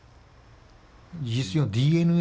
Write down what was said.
事実上ＤＮＡ